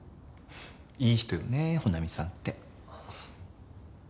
いい人よね帆奈美さんって。